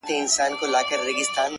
د دې خمارو ماښامونو نه به وځغلمه _